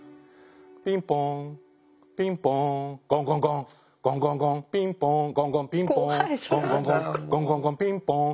ピンポーンピンポーンゴンゴンゴンゴンゴンゴンピンポーンゴンゴンピンポーンゴンゴンゴンゴンゴンゴンピンポーン。